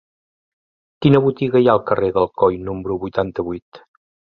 Quina botiga hi ha al carrer d'Alcoi número vuitanta-vuit?